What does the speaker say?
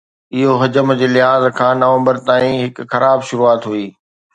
اهو حجم جي لحاظ کان نومبر تائين هڪ خراب شروعات هئي